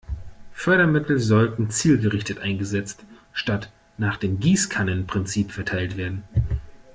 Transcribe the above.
Fördermittel sollten zielgerichtet eingesetzt statt nach dem Gießkannen-Prinzip verteilt werden.